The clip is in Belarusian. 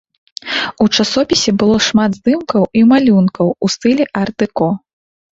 У часопісе было шмат здымкаў і малюнкаў у стылі арт-дэко.